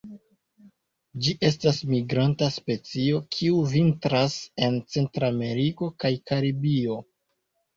Ĝi estas migranta specio, kiu vintras en Centrameriko kaj Karibio.